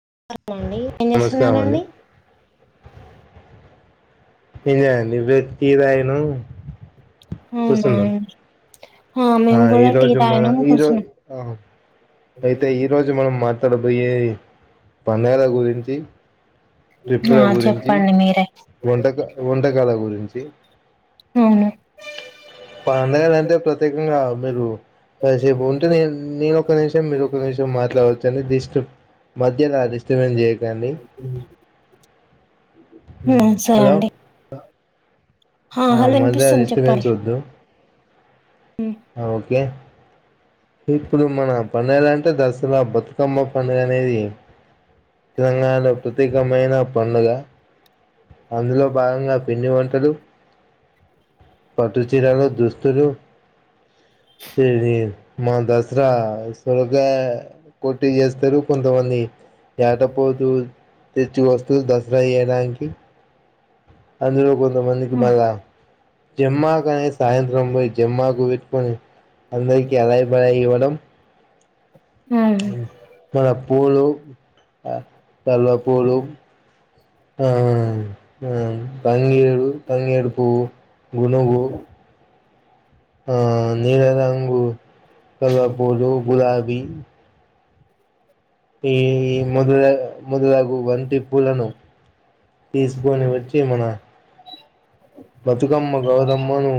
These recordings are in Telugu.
[inaudible] స్కారం అండి ఏం నమస్కారం అండి చేస్తున్నారండి ఇదే ఇవే టీ తాగినాం అవునా ఆ మేము ఈ కూడా టీ రోజు మన తాగినం ఈరోజు ఆ అయితే ఈ రోజు మనం మాట్లాడబొయ్యేది పండగల గురించి ట్రిప్పుల కూర్చున్నాం ఆ గురించి చెప్పండి మీరే వంటక వంటకాల గురించి అవును పండగలంటే అంటే ప్రత్యేకంగా మీరు కాసేపు ఉంటే నే నేనొక నిమిషం మీరు ఒక నిమిషం మాట్లాడచ్చు అని డిస్టర్బ్ మధ్యద డిస్టర్బెన్స్ చెయ్యక్ [unintelligible] మ్మ్ ఉమ్ సరే హలో అండి ఆ హలో మళ్ళ వినిపిస్తుంది చెప్పండి డిస్టర్బెన్స్ వద్దు ఉమ్ ఆ ఓకే ఇప్పుడు మన పండుగలు అంటే దసరా బతుకమ్మ పండుగ అనేది తెలంగాణలో ప్రత్యేకమైన పండగ అందులో భాగంగా పిండి వంటలు పట్టుచీరలు దుస్తులు [unintelligible] మా దసరా సురగా కొట్టి చేస్తారు కొంతమంది యాట పోతూ తెచ్చి కోస్తారు దసరా చెయ్యడానికి అందులో కొంతమందికి ఉమ్ మళ్ళా జమ్మాకనే సాయంత్రం పోయి జమ్మాకు పెట్టుకొని అందరికి అదై పనే ఇవ్వడం ఉమ్ మన పూలు ఆ కలువ పూలు ఆ తంగేడు తంగేడు పువ్వు గునగు ఆ నీల రంగు కల్వపూలు గులాబీ ఈ ఈ మొదల మొదలగువంటి పూలను తీసుకొని వచ్చి మన బతుకమ్మ గౌరమ్మను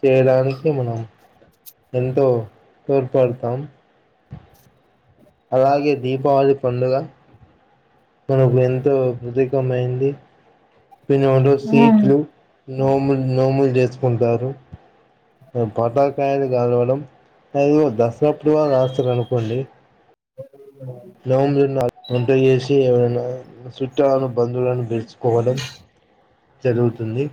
చేయడానికి మన ఎంతో తోర్పు పడతాం అలాగే దీపావళి పండుగ మనకు ఎంతో ప్రతీకం అయింది పిన్నోడు ఉమ్ సీట్లు నోములు చేసుకుంటారు పటాకాయలు కాలవడం అదో దసరప్పుడు కూడా కాలుస్తారు అనుకోండి నవంబ్రి వంట చేేసి ఏవరైనా చుట్టాలను బంధువులను పెలుచుకోవడం జరుగుతుంది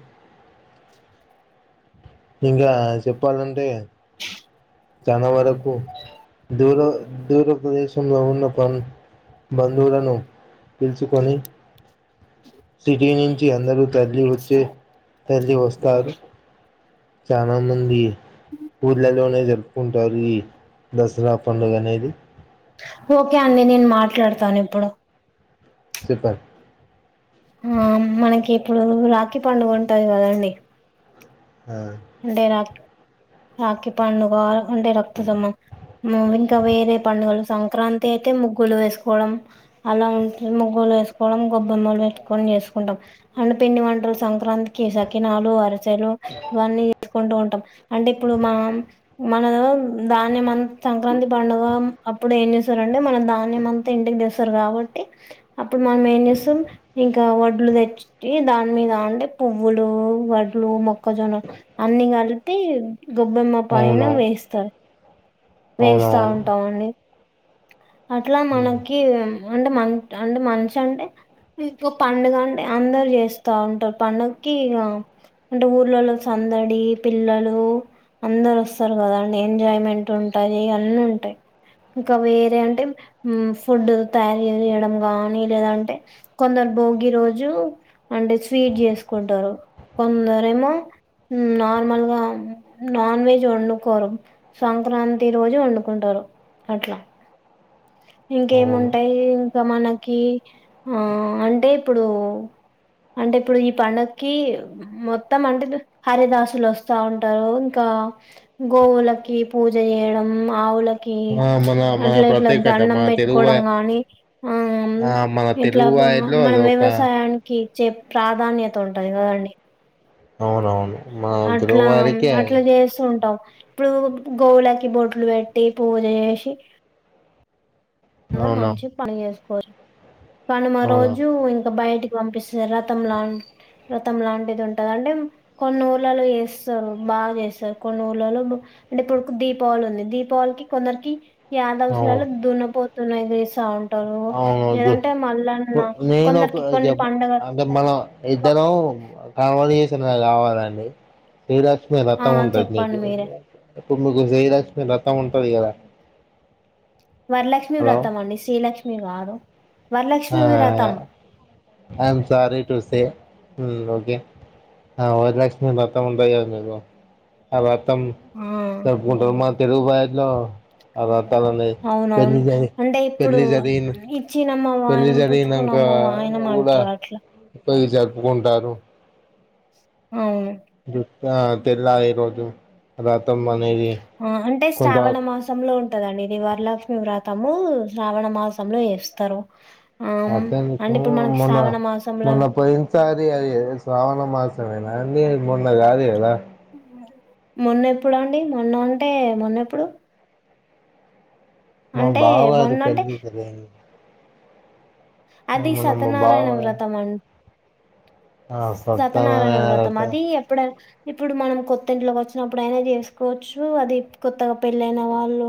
ఇంకా చెప్పాలంటే ఇగ జావారకు దూర దూరప్రదేశంలో ఉన్న పని బంధువులను పిలుచుకొని సిటీ నుంచి అందరూ తల్లి వచ్చే తల్లి వస్తారు చానా మంది ఊళ్లల్లోనే జరుపుకుంటారు ఈ దసరా పండుగ అనేది ఓకే అండి నేను మాట్లాడతాను ఇప్పుడు సిఫర్ ఆ మనకి ఇప్పుడు రాఖీ పండుగ ఉంటది కదండి ఆ అంటే నాకు రాఖి పండుగ అంటే రక్తసమ్మం ఇంకా వేరే పండుగలు సంక్రాంతి అయితే ముగ్గులు వేసుకోవడం అలా ఉంట ముగ్గులు వేసుకోవడం గొబ్బెమ్మలు పెట్టుకొని చేసుకుంటాం హన్ను పిండి వంటలు సంక్రాంతికి సకినాలు అరి సెలు ఇవన్నీ తీసుకుంటూ ఉంటాం అంటే ఇప్పుడు మా మ ధాన్యం అంత సంక్రాంతి పండుగ అప్పుడు ఏం చేస్తారుంటే మనం ధాన్యం అంతా ఇంటికి తెసు కొత్తరు కాబట్టి అప్పుడు మనం ఏం చేస్తాం ఇంకా వం పలు తెచ్చి దాని మీద అంటే పువ్వులు వడ్లు మొక్కజొన అన్ని కలిపి గొబ్బెమ్మ పైన అవును వేస్తారు వేస్తా అవునవును ఉంటాం అండి అట్లా మనకి అంటే మ అంటే మంచి అంటే ఇంక పండుగ అంటే అందరు చేస్తా ఉంటారు పండుగకి ఇక అంటే ఊర్లలో సందడి పిల్లలు అందరు వస్తారు కదా అండి ఎంజాయ్మెంట్ ఉంటాయి అన్నీ ఉంటాయి ఇంకా వేరే అంటే ఫుడ్ తయారు చేయడం గాని లేదంటే కొందరు భోగి రోజు అంటే స్వీట్ చేసుకుంటారు కొందరేమో నార్మల్గా నాన్ వెజ్ వండుకోరు సంక్రాంతి రోజు వండుకుంటారు అట్లా అవును ఇంకేముంటాయి ఇంకా మనకి ఆ అంటే ఇప్పుడు అంటే ఇప్పుడు ఈ పండక్కి మొత్తం అంటే హరిదాసులు వస్తా ఉంటారు ఇంకా గోవులకి పూజ చేయడం ఆవులకి మన మన అట్లా ఇట్లా ప్రత్యేకత అల్లం మన తెలుగు పెట్టుకోవడం గానీ ఆ ఆ మన ఇట్లా తెలుగు వారిలో మన అదొక వ్యవసాయానికి ఇచ్చే ప్రాధాన్యత ఉంటది గదండి అవునవును మన తెలుగు అట్లా వారికి అట్లా జేస్తుంటమ్ ఇప్పుడు గోవులకి బొట్లు బెట్టి పూజ జేసి అందరు అవును మంచిగ పని జేసుకోరి కనుమా అవును రోజు ఇంకా బయటికి పంపిస్తర్ రతంలా వ్రతం లాంటిది ఉంటది అంటే కొన్ని ఊళ్లలో చేస్తరు బాగా జేస్తరు కొన్ని ఊళ్లలో అంటే ఇప్పుడు దీపావళి ఉంది దీపావళికి కొందరికి యాదవ్స్ అవును లల్లో దున్నపోతులదే సౌండ్ అవును వద్దు నేను కొందరికి ఒకటి కొన్ని చెప్ పండగలు అంటే మనం ఇద్దరం కన్వగేషన్ కావాలండి శ్రీలక్ష్మి ఆ రతం ఉంటది మీకు చెప్పండి మీరే ఇప్పుడు మీకు శ్రీలక్ష్మి రతం ఉంటది గదా వరలక్ష్మి వ్రతం అండి శ్రీలక్ష్మి గాదు ఆ I am sorry to say um okay ఆ వరలక్ష్మి వ్రతం ఉంటదిగా మీకు అ మొత్తం ఆ జరుపుకుంటారు మా తెలుగు భాషలో అవబ్ తాలని పెళ్ళి అవునవును జరిగి అంటే ఇప్పుడు పెళ్ళి జరిగినంకా ఇచ్చినమ్మ పెళ్ళి వాయనం జరిగినంకా పుచ్చుకున్నమ్మ వాయనం గాడా అంటారు అట్లా ఇది జరుపుకుంటారు అవును జుట్టు ఆ తెల్లారి రోజు రా ఆ అంటే శ్రావణ మాసంలో ఉం గదండి ఇది వరలక్ష్మి వ్రతము శ్రావణ మాసంలో చేస్తరు అతనికి మొన్న మాసంలో మొన్న పోయినసారి అది శ్రావణ మాసమేనా అండి మొన్న గాదు గదా మొన్న ఎప్పుడు అండి మొన్న అంటే మొన్నెప్పుడు మా అంటే బావ గారి మొన్నంటే పెళ్ళికి లేండి అది మా బావ సత్యనారాయణ వ్రతం అం సత్యనారాయణ వ్రతం అది ఎప్పుడ ఇప్పుడు మనం కొత్త ఇంట్లోకి వచ్చినప్పుడు అయినా చేసుకోవచ్చు అది కొత్తగా పెళ్ళయిన వాళ్ళు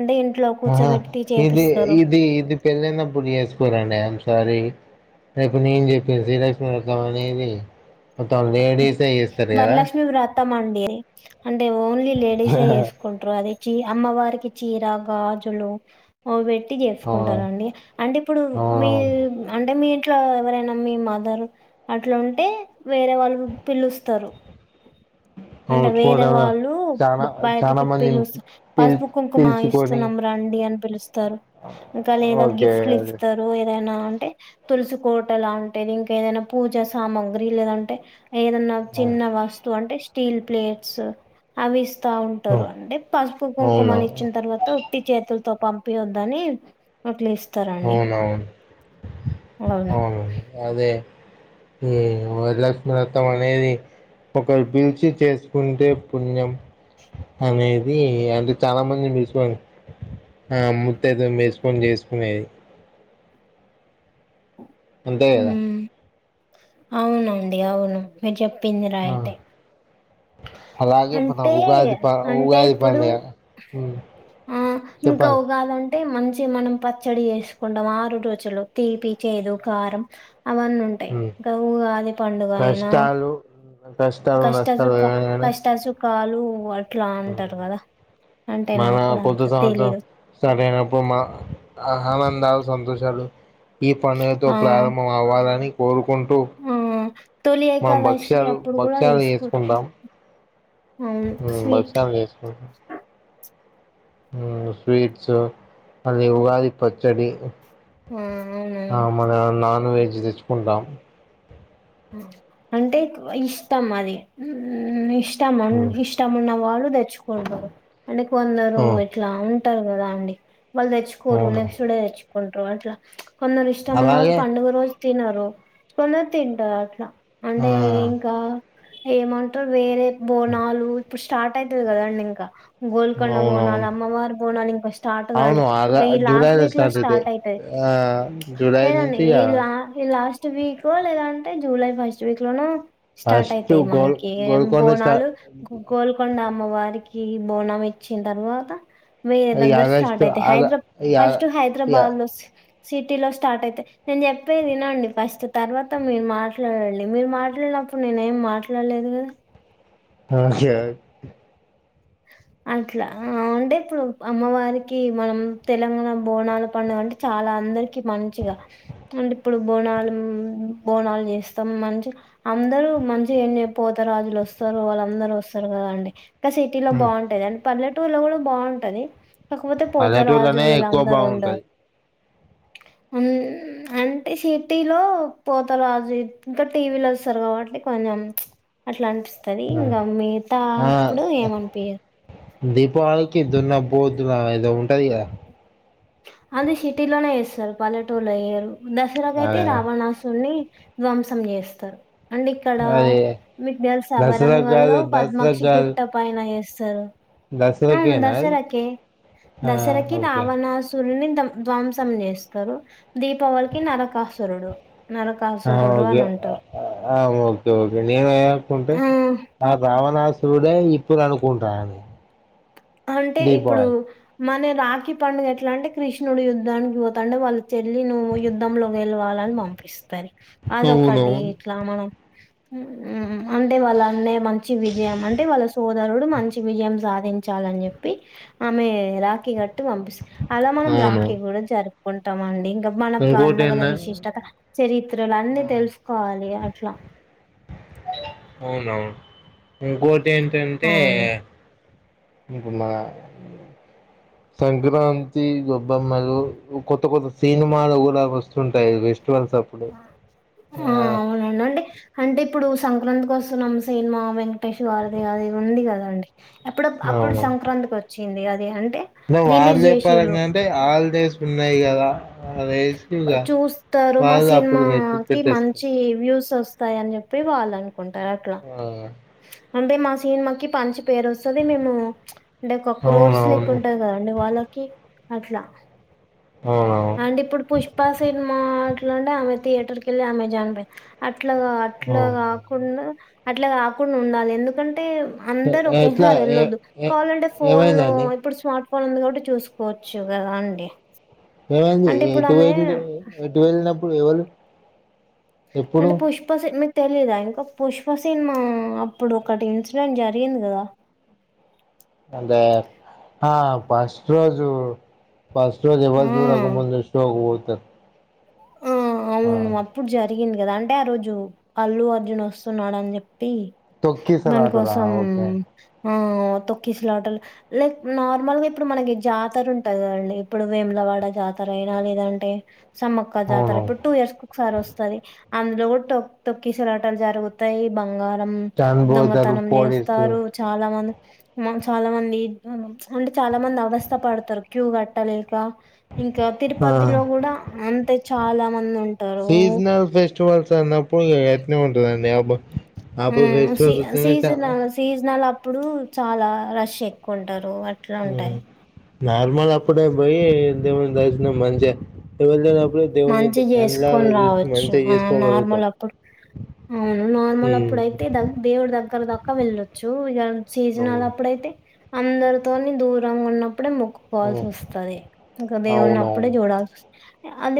అంటే ఇంట్లో ఆహా కూర్చోబెట్టి ఇది చేపిస్తారు. ఇది ఇది పెళ్ళైనప్పుడు చేసుకోరండి ఐ యామ్ సారి రేపు నేను జెప్పిన శ్రీలక్ష్మి వ్రతం అనేది మొత్తం లేడీసే జేస్తరు గదా వ్రతమండి అంటే ఓన్లీ లేడీసే చేసుకుంటరు అది చీ అమ్మవారికి చీరా గాజులు అవి బె ట్టి అవును జేసుకుంటారండి అంటే ఇప్పుడు మీ అవునవును అంటే మీ ఇంట్లా ఎవరైనా మీ మదర్ అట్లా ఉంటే వేరే వాళ్ళు పిలుస్తరు అంటే అవును వేరే చూడంలో వాళ్ళు చానా చాలా బయటికి మందిని పిలుస్త పిల్ పసుపుకుంకుమ పిలుచుకొని ఇస్తున్నాం రండి అని పిలుస్తారు ఇంకా లేదా ఓకే గిఫ్ట్ లు అదే ఇస్తరు ఏదైనా అంటే తులసి కోట లాంటిది ఇంకా ఏదైనా పూజ సామాగ్రి లేదంటే ఏదన్నా చిన్న వస్తువు అంటే స్టీల్ ప్లేట్స్ అవి ఇస్తా ఉంటరు అంటే పసుపు అవును కుంకుమలు ఇచ్చిన తర్వాత ఉట్టి చేతులు తో పంపియొద్దని అట్ల ఇస్తరు అవునవును అవును అదే ఏమో వరలక్ష్మి వ్రతం అనేది ఒకరు పిల్చి చేసుకుంటే పుణ్యం అనేది అంటే చాలా మందిని తీసుకోండి ఆ ముత్తయిదును దీసుకొని చేసుకునేది అంతేగదా ఉమ్ అవునండి అవును మీరు చెప్పింది ఆ రైటె అలాగే మన అంటే ఉగాది ప అంటే ఉగాది ఇప్పుడు పండుగ ఉమ్ ఆ ఇంకా చెప్పండి ఉగాదన్ టే మంచిగ మనం పచ్చడి చేసుకుంటాం ఆరు రోజులు తీపి, చేదు, కారం అవన్నుంటయి ఉమ్ ఇంక ఊగాది పండుగ అయినా కష్టాలు కష్టాలు కష్ట నష్టాలు సుఖ ఏమైనా కష్ట సుఖాలు అట్లా అంటరు కదా అంటే మన నాకు కూడా కొత్త అంత సంవత్సరం తెలీదు. స్టార్టయినప్పుడు మా ఆహావన్ కాలు సంతోషాలు ఈ పండుగతో ఆ! ప్రారంభం అవ్వాలని కోరుకుంటూ ఆ! తొలి మనం ఏకాదశి భక్ష్యాలు అప్పుడు గూడ భక్ష్యాలు చేసుకుంటాం అవును. ఉమ్ స్వీట్. భక్షాలు చేసుకుంటాం ఉమ్ స్వీట్స్ అది ఉగాది పచ్చడి ఆ! ఆ అవునవును. మల్లా నాన్ వెజ్ తెచ్చుకుంటాం అంటే ఇష్టం అది ఉమ్ ఇష్ ష్టం ఇష్టం ఉన్న వాళ్ళు తెచ్చుకుంటరు అంటే కొందరు ఆ ఇట్లా ఉన్ టరు గదా అండి వాళ్ళు తెచ్చుకోరు అవును నెక్స్ట్ డే తెచ్చుకుంటరు అట్లా కొందరు ఇష్టం ఉన్న వాళ్ళు అలాగే పండుగ రోజు తినరు, కొందరు తింటరట్లా ఆ అంటే ఇంకా ఏమంటరు వేరే బోనాలు ఇప్పుడు స్టార్ట్ అయితది కదాండి ఇంకా గోల్కొండ బోనాలు, అవునవును అమ్మవారి బోనాలు ఇంక స్టార్ట్ గాలే, అవును అలా ఇంకా ఈ లాస్ట్ జూలైలో వీక్ లో అయితే స్టార్ట్ అయితయ్ ఆ జూలై లేదండి, నుంచి ఈ ఇగ లా లాస్ట్ స్ట్ వీకో లేదంటే జూలై ఫస్ట్ వీక్ లోనో స్టార్ట్ ఫస్ట్ అయితయి గోల్ మనకి గోల్కొండ స్టా బోనాలు, గో గోల్కొండ అమ్ మ్మవారికి బోనం ఇచ్చిన్తర్వాత వేరే ఈ దగ్గర స్టార్ట్ ఆగస్టు అయితయ్, ఆగ హైద్ర ఈ ఆగ ఫస్ట్ ఇగ హైదరాబాద్ లో స్ సిటీలో స్టార్ట్ అయితయి నేను చెప్పేది వినండి ఫస్ట్ తర్వాత మీరు మాట్లాడండి, మీరు మాట్లాడినప్పుడు నేనేమ్ మాట్లాడలేదు గదా అ జోక్ అట్లా ఆ అంటే ఇప్పుడు అమ్మవారికి మనం తెలంగాణ బోనాల పండుగ అంటే చాలా అందరికి మంచిగ, అంటే ఇప్పుడు బోనాలు బోనాలు చేస్తాం మంచి అన్ అందరూ మంచిగ ఎంజయ్ పోత రాజులొస్తరు వాళ్ళందరూ ఒస్తరు గదాండి కసేప్ సిటీ లో బావుంటది అంటె పల్లెటూర్లో కూడ బావుంటది కాకపోతే పోతారాజు పల్లెటూర్లోనే ఎక్కువ వీలందరూ ఉండరు బాగుంటది అన్ అంటే సిటీ లో పోతారాజు ఇంక టీ వీ లోస్తరు గాబట్టి కొన్ నం అట్ల అనిపిస్తది ఇంగ ఆ మిగతాప్పుడు ఏమన్ దీపావళికి దున్న పోతులను ఏదో ఉంటది గదా అది సిటీలోనే చేస్తరు పల్లెటూళ్లో జెయ్యరు దసరాకయితే అదే అదే రావణాసున్నీ ధ్వంసం చేస్తరు అండ్ ఇక్కడా అది మీకు దెల్సా దసరాకు వరంగల్ లో కాదు దసరాకు పద్మాక్షి కాదు గుట్ట పైన చేస్తరు అవును దసరాకేనా అది దసరాకే, ఆ దసరకి ఓకే రావణాసుడ్ సుడ్ని ధం ధ్వంసం చేస్తరు, దీపావళికి నరకాసురుడు ఆ నరకాసురుడు ఓకే అని అంటారు ఆ ఓకే ఓకే నేను ఏమనుకుంటే ఆ అవునా సూదయ్ ఇప్పుడనుకుంటాదే హాంటే ఇప్పుడు మన రాఖీ పండుగేట్లాటే కృష్ణుడు యుద్ధానికి పోతంటే, వాళ్ళ చెల్లి నువ్వు యుద్ధంకిలో గేల్వా. లని పంపిస్తాది అదొకటి అవునవును ఇట్లా మనం మ్మ్ అంటే వాళ్ళ అన్నే. మంచి విజయం అంటే వాళ్ళ సోదరుడు మంచి విజయం సాధిం చాలని జెప్పి ఆమె రాఖీ గట్టి పంపిస్ అలా మనం అవును రాఖీ గూడా జరు. కుంటామండి మన ఇంకోటి పండగల ఏంద విశిష్టత చరిత్రలన్ని తెలుసుకోవాలి అట్లా. అవునవును ఇంకోటేంటంటే. అవును. ఇప్పుడు మన సంక్రాంతి గొబ్బమ్మలు కొత్త, కొత్త సినిమాలు కూడా వస్తుంటాయి. [unintelligible] టూవల్సప్పుడు ఆ అవునండి. అంటే అంటే ఇప్పుడు సంక్రాంతికి వస్తున్నాం, సిన్మా వెంకటేష్ గారిది అది ఉంది గదండి. అప్పుడప్ అప్పుడు సంక్రాంతికి వచ్చింది అది అన్ ఇంగా వాళ్లే పరంగంటే ఆళ్జెస్ కున్నాయి గదా చూస్తారు మా వాళ్ళు అప్పుడు వెతికి సిన్మాకీ పెట్టేస్తారు మంచి వ్యూస్ వస్. త్తయని చెప్పి వాళ్లనుకుంటారు అట్లా ఆ అంటే మా సిన్మాకి పంచ్ పేరొస్తది మేము ప్చ్ అంటే, కొక్రోర్స్ అవునవును లెక్కుంటది కదండి వాళ్ళకి. అట్లా అవునవును అంటే ఇప్పుడు పుష్పా సిన్మా అట్లాంటే ఆమె. థియేటర్ కేళ్లి ఆమె జన్పోయింది అట్లా అట్లాకాకుండా అట్లా కాకుండా ఉండాలి ఎందుకం టే అందరు ఎట్లా ఒకేసారి ఏ వెళ్ళొద్దు ఏ కావాలంటే ఫోన్ లో ఏమైందండి ఇప్పుడు స్మార్ట్ ఫోన్ ఉంది గాబట్టి చూసుకోవచ్చు గదాండి ఏమైంది ఏ ఎటు పోయింది ఎటు వెళ్ళినప్పుడు ఎవళ్ళు? అంటే పుష్ప సె మిక్ తెలీదా ఇంకా పుష్ప సిన్మా అప్పుడు ఒకటి, ఇన్సిడెంట్ జరిగింది గదా! అంటే ఆ ఫస్ట్ రోజు, ఫస్ట్ రోజు ఆ ఎవళ్ చూడక ముందు షోకు పోతా. ఆ అవును అప్పుడు జరిగింది గదా! అంటే ఆ రోజు అల్లు అర్జున్ వస్సున్నాడన్జెప్. పి మన తొక్కిసలాటలా కోసం ఓకే ఆవ్ తొక్కిస్ లాటలు లైక్ నార్మల్గా ఇప్పుడు, మనకి జాతర ఉంటది కదండి ఇప్పుడు వేములవ. వాడ జాతర అయినా లేదంటే, సమ్మక్క జాతర అవునవును ఇప్పుడు టూ ఇయర్స్ ఒక్సారి వస్తది. అందులో కూడా తొక్ తొకిసలాటాల్ జరుగుతాయి బంగా రం చనిపోతారు దొంగతనం పోలీసులు చేస్తారు చాలా మంది మ్మ చాలా మంది [unintelligible] ప్చ్ అంటే చాలా మంది అవస్థ పడతారు క్యూ కట్టలేక. ఇంకా ఆ తిరుపతిలో కూడా అన్ సీజనల్ ఫెస్టివల్స్ అన్నప్పుడు ఇగ అట్నే ఉంటదండి యాబో. ఊ ఉ సి సీజనల్ సీజనల్ అప్పుడు చాలా రష్ ఎక్కువుంటారు. మ్ అట్లుంటాయి. నార్మల్ అప్పుడే బోయి దేవుని దర్శనం మంచిగా. వెళ్లేటప్పుడే దేవుని మంచిగ [unintelligible] జేసుకొని కండ్లరా జుషి రావచ్చు. మంచిగా ఆ! నార్మల్ జేసుకోగలుగుతాం. అప్పుడు అవును నార్మల్ అప్పుడైతే దగ్ దేవుడి దగ్గర ద క్క వెళ్ళొచ్చు ఇగ అవును సీజనల్లప్పుడయితే అందరుతోని దూరంగున్నప్. అప్పుడే అవును ముక్కుకోవాల్సిసోస్తది ఇంకా అవునవును దేవునప్పుడే జుడాల్సోస్త అది.